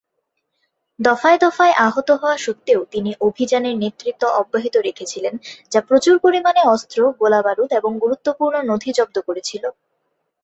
দফায় দফায় আহত হওয়া সত্ত্বেও, তিনি অভিযানের নেতৃত্ব অব্যাহত রেখেছিলেন যা প্রচুর পরিমাণে অস্ত্র, গোলাবারুদ এবং গুরুত্বপূর্ণ নথি জব্দ করেছিল।